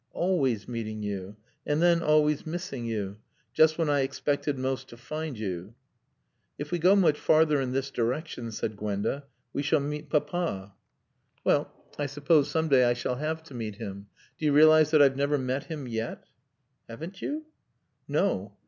"Always meeting you. And then always missing you. Just when I expected most to find you." "If we go much farther in this direction," said Gwenda, "we shall meet Papa." "Well I suppose some day I shall have to meet him. Do you realise that I've never met him yet?" "Haven't you?" "No.